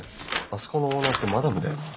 あそこのオーナーってマダムだよな。